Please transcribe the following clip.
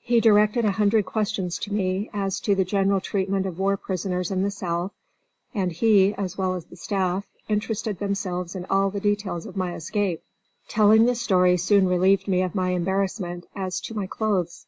He directed a hundred questions to me as to the general treatment of war prisoners in the South, and he, as well as the staff, interested themselves in all the details of my escape. Telling the story very soon relieved me of my embarrassment as to my clothes.